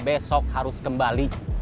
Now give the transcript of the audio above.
besok harus kembali